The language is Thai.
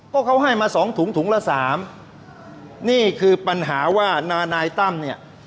ก็เขาให้มาสองถุงถุงละสามนี่คือปัญหาว่านานายตั้มเนี่ย